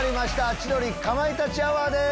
『千鳥かまいたちアワー』です。